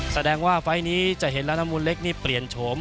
แสดงว่าไฟล์นี้จะเห็นละนมุลล็คไม่เปลี่ยนโฉม